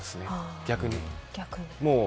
逆に。